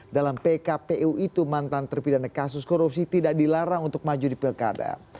dalam pkpu itu mantan terpidana kasus korupsi tidak dilarang untuk maju di pilkada